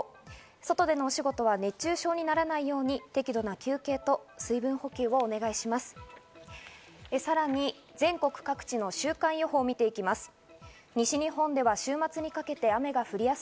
外でのお仕事は熱中症にならないように適度な休憩と水分補給をお願いします。